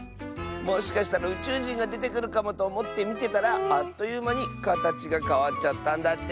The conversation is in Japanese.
もしかしたらうちゅうじんがでてくるかもとおもってみてたらあっというまにかたちがかわっちゃったんだって。